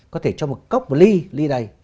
có thể cho một cốc một ly ly đầy